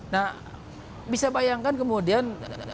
nah bisa bayangkan kemudian